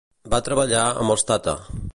Va treballar amb els Tata.